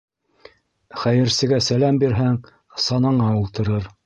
Хәйерсегә сәләм бирһәң, санаңа ултырыр.